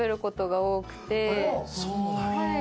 そうなんや。